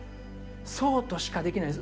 そうとしかできないです。